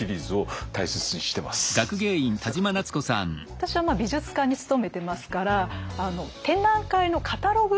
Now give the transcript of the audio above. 私は美術館に勤めてますから展覧会のカタログ。